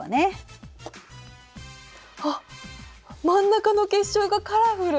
あっ真ん中の結晶がカラフル！